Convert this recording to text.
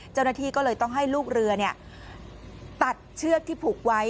เจ้าหน้าที่ก็เลยต้องให้ลูกเรือตัดเชือกที่ผูกไว้